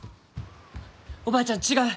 おばあちゃん違う！